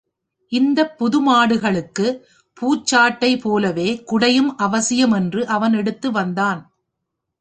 இந்தப் புது மாடுகளுக்குப் பூச்சாட்டை போலவே குடையும் அவசியம் என்று அவன் எடுத்துவந்தான்.